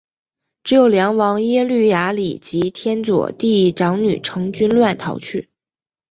只有梁王耶律雅里及天祚帝长女乘军乱逃去。